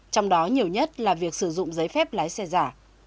trong đó nhiều nhất là việc sử dụng giấy phép lái xe giả